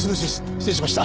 失礼しました。